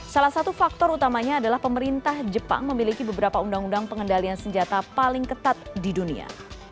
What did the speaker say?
salah satu faktor utamanya adalah pemerintah jepang memiliki beberapa undang undang pengendalian senjata paling ketat di dunia